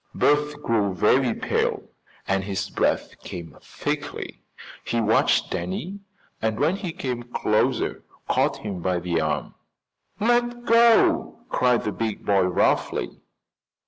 Bert grew very pale and his breath came thickly. He watched Danny and when he came closer caught him by the arm. "Let go!" cried the big boy roughly.